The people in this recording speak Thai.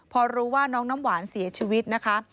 พอรู้ว่าน้องน้ำหวานเสียชีวิตนะคะ